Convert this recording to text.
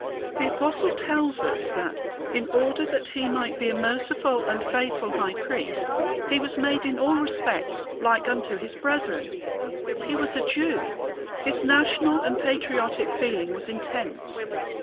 The Apostle tells us that, in order that he might be a merciful and faithful high priest, he was made in all respects like unto his brethren. He was a Jew. His national and patriotic feeling was intense.